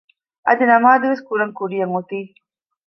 އަދި ނަމާދުވެސް ކުރަން ކުރިޔަށް އޮތީ